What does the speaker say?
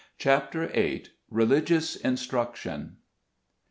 CHAPTER XIII. RELIGIOUS INSTRUCTION.